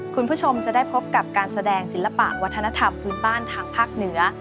คุณผู้ชมจะได้พบกับการแสดงศิลปะวัฒนธรรมพื้นบ้านทางภาคเหนือ